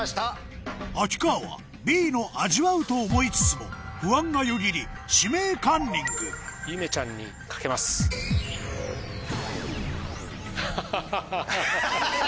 秋川はＢの「味わう」と思いつつも不安がよぎり「指名カンニング」ゆめちゃんにかけます。ハハハ！ハハハ！